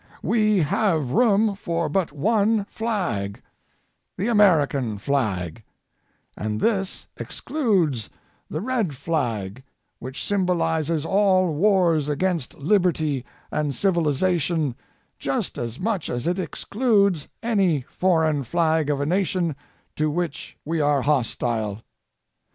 We have room for but one flag, the American flag, and this excludes the red flag, which symbolizes all wars against liberty and civiliza tion just as much as it excludes any foreign flag of a nation to which we are hostile.